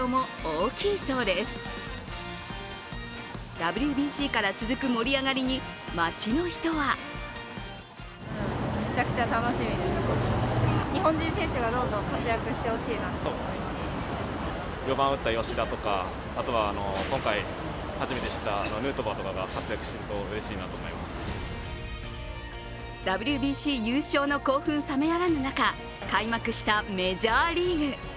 ＷＢＣから続く盛り上がりに街の人はＷＢＣ優勝の興奮冷めやらぬ中開幕したメジャーリーグ。